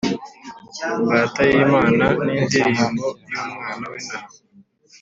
imbata y’Imana n’indirimbo y’Umwana w’Intama